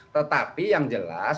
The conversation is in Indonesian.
tetapi yang jelas